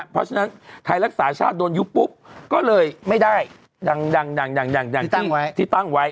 เพราะฉะนั้นไทยรักษาชาติโดนยุบปุ๊บก็เลยไม่ได้ดังที่ตั้งไว้